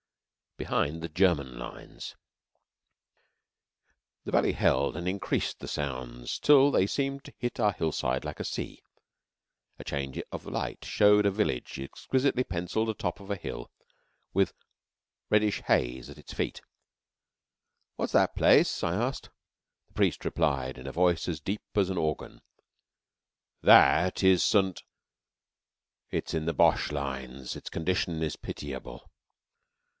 BEHIND THE GERMAN LINES The valley held and increased the sounds till they seemed to hit our hillside like a sea. A change of light showed a village, exquisitely pencilled atop of a hill, with reddish haze at its feet. "What is that place?" I asked. The priest replied in a voice as deep as an organ: "That is Saint It is in the Boche lines. Its condition is pitiable."